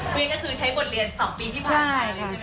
คุณก็คือใช้บทเรียน๒ปีที่เปิดใช่ไหมครับ